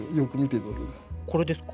これですか？